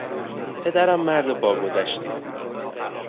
پدرم مرد باگذشتی بود.